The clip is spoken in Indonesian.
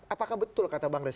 apakah betul kata bang rey